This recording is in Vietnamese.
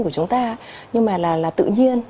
của chúng ta nhưng mà là tự nhiên